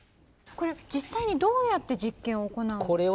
これ実際にどうやって実験を行うんですか？